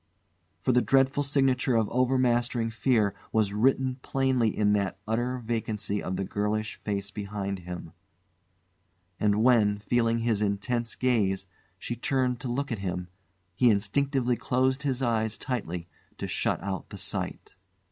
For the dreadful signature of overmastering fear was written plainly in that utter vacancy of the girlish face beside him; and when, feeling his intense gaze, she turned to look at him, he instinctively closed his eyes tightly to shut out the sight.